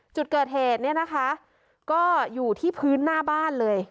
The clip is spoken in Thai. จุดเกิดเหตุเนี่ยนะคะก็อยู่ที่พื้นหน้าบ้านเลย